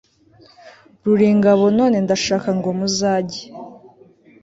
ruringabo none ndashaka ngo muzage